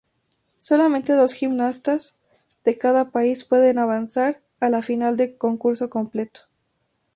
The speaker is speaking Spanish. Solamente dos gimnastas de cada país pueden avanzar a la final de concurso completo.